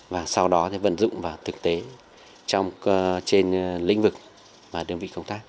và sau đó vận dụng vào thực tế trên lĩnh vực và đơn vị công tác